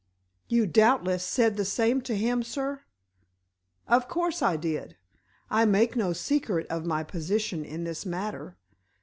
"You, doubtless, said the same to him, sir?" "Of course I did. I make no secret of my position in this matter.